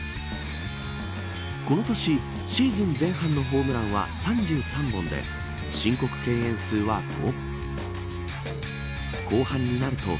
この年シーズン前半のホームランは３３本で申告敬遠数は５。